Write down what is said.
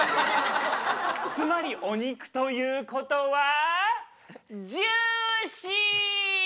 つまりお肉ということはジューシー！